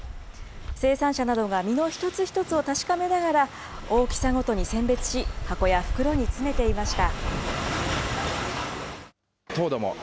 生産者などが実の一つ一つを確かめながら大きさごとに選別し箱や袋に詰めていました。